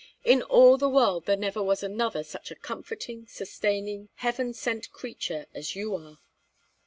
"In all the world there never was another such a comforting, sustaining, heaven sent creature as you are!"